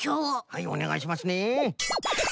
はいおねがいしますね。